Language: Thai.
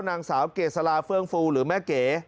นางสาวเกจสาราเฟิร์นฟูหรือแม่เก